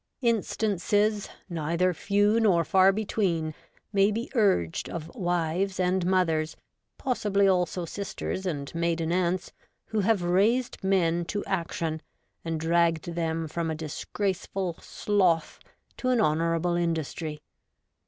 Instances, neither few nor far between, may be urged of wives and mothers, possibly also sisters and maiden aunts, who have raised men to action and dragged them from a disgraceful sloth to an honourable industry.